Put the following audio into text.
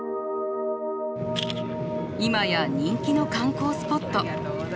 今や人気の観光スポット。